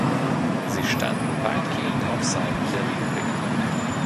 Sie standen weitgehend auf Seiten der Republik.